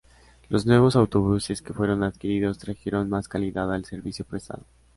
Los nuevos autobuses que fueron adquiridos trajeron más calidad al servicio prestado.